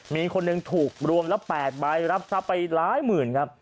มีคนหนึ่งถูกรวมแล้ว๘ใบรับทรัพย์ไปหลายหมื่นครับ